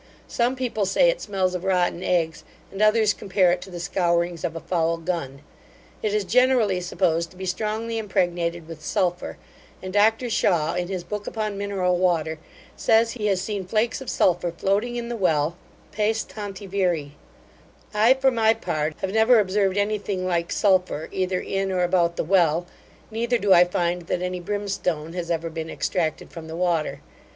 Some people say it smells of rotten eggs, and others compare it to the scourings of a foul gun. It is generally supposed to be strongly impregnated with sulphur; and Dr Shaw, in his book upon mineral water, says, he has seen flakes of sulphur floating in the well Pace tanti viri; I, for my part, have never observed any thing like sulphur, either in or about the well, neither do I find that any brimstone has ever been extracted from the water.